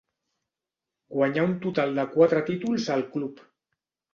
Guanyà un total de quatre títols al club.